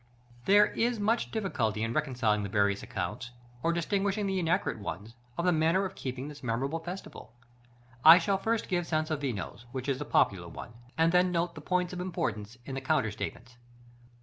§ X. There is much difficulty in reconciling the various accounts, or distinguishing the inaccurate ones, of the manner of keeping this memorable festival. I shall first give Sansovino's, which is the popular one, and then note the points of importance in the counter statements.